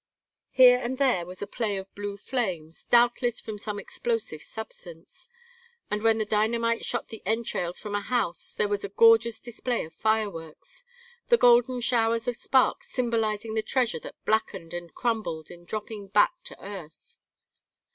Here and there was a play of blue flames, doubtless from some explosive substance, and when the dynamite shot the entrails from a house there was a gorgeous display of fireworks the golden showers of sparks symbolizing the treasure that blackened and crumbled in dropping back to earth.